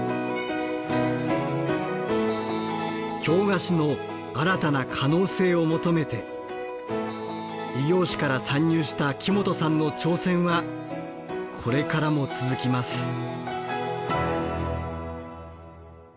京菓子の新たな可能性を求めて異業種から参入した木本さんの挑戦はこれからも続きます。